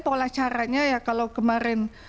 tola caranya ya kalau kemarin